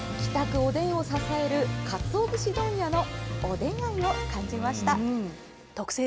おでんを支えるかつお節問屋のおでん愛を感じました。